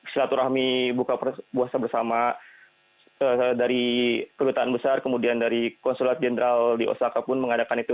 silaturahmi buka puasa bersama dari kedutaan besar kemudian dari konsulat jenderal di osaka pun mengadakan itu